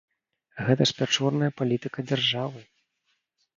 Гэта ж пячорная палітыка дзяржавы!